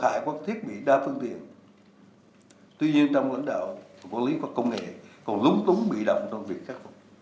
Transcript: tại quốc thiết bị đa phương tiện tuy nhiên trong lãnh đạo quốc lý và công nghệ còn lúng túng bị đậm trong việc khắc phục